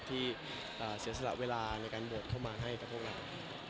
ที่เสียสละเวลาในการบดเขามาให้กับพวกนั้น